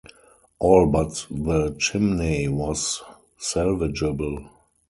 All but the chimney was salvageable.